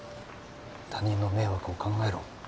他人の迷惑を考えろ。